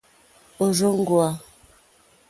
Òrzòŋwá.